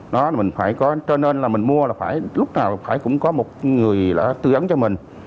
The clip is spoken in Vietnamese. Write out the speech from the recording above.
nó mình phải có cho nên là mình mua là phải lúc nào cũng phải có một người tư dấn cho mình